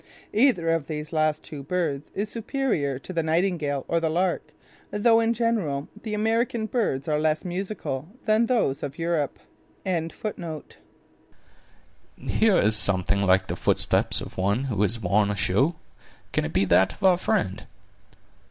Either of these last two birds is superior to the nightingale or the lark, though, in general, the American birds are less musical than those of Europe. "Here is something like the footstep of one who has worn a shoe; can it be that of our friend?"